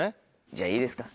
じゃあいいですか？